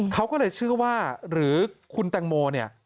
เขาก็เลยเชื่อว่าหรือคุณแตงโมเนี่ย